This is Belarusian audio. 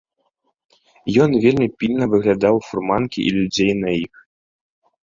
Ён вельмі пільна выглядаў фурманкі і людзей на іх.